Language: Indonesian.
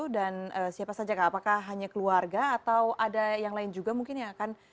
dan siapa saja apakah hanya keluarga atau ada yang lain juga mungkin yang akan